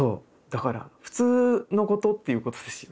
だから普通のことっていうことですよ